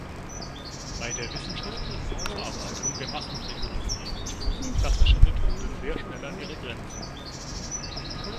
Bei der wissenschaftlichen Aufarbeitung der Massenpsychologie stoßen klassische Methoden sehr schnell an ihre Grenzen.